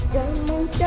jangan mencari aku ya